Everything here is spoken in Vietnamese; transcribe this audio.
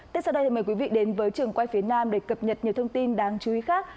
tiếp sau đây thì mời quý vị đến với trường quay phía nam để cập nhật nhiều thông tin đáng chú ý khác